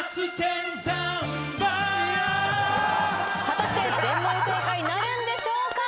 果たして全問正解なるんでしょうか？